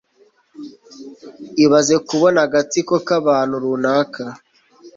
Ibaze kubona agatsiko k'abantu runaka